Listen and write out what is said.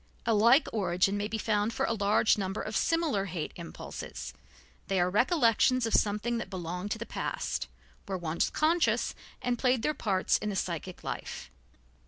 A like origin may be found for a large number of similar hate impulses; they are recollections of something that belonged to the past, were once conscious and played their parts in the psychic life.